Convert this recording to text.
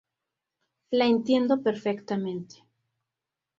La entiendo perfectamente.